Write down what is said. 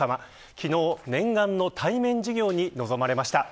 昨日、念願の対面授業に臨まれました。